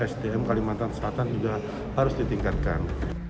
sdm kalimantan selatan juga harus ditingkatkan